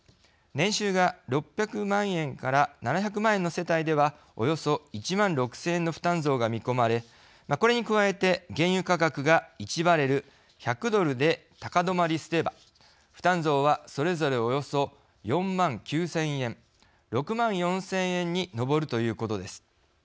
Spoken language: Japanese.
年収が６００万円から７００万円の世帯ではおよそ１万６０００円の負担増が見込まれ、これに加えて原油価格が１バレル＝１００ドルで高止まりすれば、負担増はそれぞれ、およそ４万９０００円６万４０００円に上るということです。